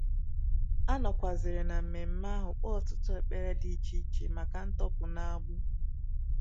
A nọkwazịrị na mmemme ahụ kpee ọtụtụ ekpere dị iche iche maka ntọpụ n'agbụ